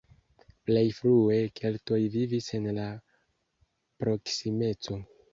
Plej frue keltoj vivis en la proksimeco.